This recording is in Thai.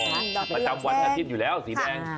ประจำวันอาทิตย์อยู่แล้วสีแดง